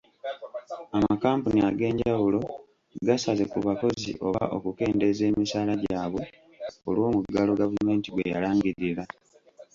Amakampuni ag'enjawulo gasaze ku bakozi oba okukendeeza emisaala gyabwe olw'omuggalo gavumenti gweyalangirira.